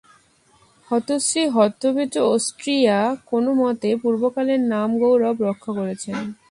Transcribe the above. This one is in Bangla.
হতশ্রী হতবীর্য অষ্ট্রীয়া কোন মতে পূর্বকালের নাম-গৌরব রক্ষা করছেন।